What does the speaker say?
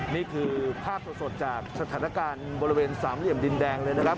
นี่คือภาพสดจากสถานการณ์บริเวณสามเหลี่ยมดินแดงเลยนะครับ